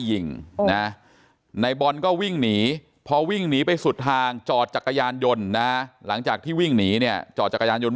ยิงนะในบอลก็วิ่งหนีพอวิ่งหนีไปสุดทางจอดจักรยานยนต์นะหลังจากที่วิ่งหนีเนี่ยจอดจักรยานยนต